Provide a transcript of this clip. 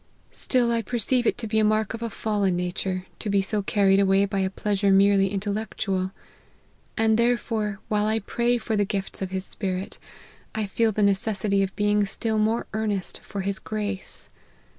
Still I perceive it to be a mark of a fallen nature to be so carried away by a pleasure merely intellectual ; and, therefore, while I pray for the gifts of his Spirit, I feel the necessity of being still more earnest for His grace.